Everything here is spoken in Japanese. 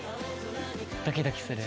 ドキドキする。